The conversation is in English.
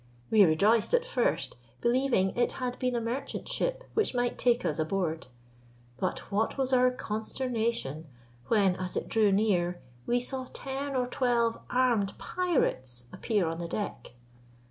We rejoiced at first, believing it had been a merchant ship which might take us aboard; but what was our consternation, when, as it drew near, we saw ten or twelve armed pirates appear on the deck.